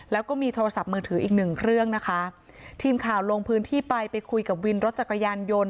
แล้วก็มีโทรศัพท์มือถืออีกหนึ่งเครื่องนะคะทีมข่าวลงพื้นที่ไปไปคุยกับวินรถจักรยานยนต์